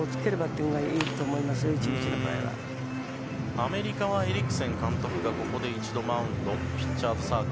アメリカのエリクセン監督がここで一度マウンドピッチャーズ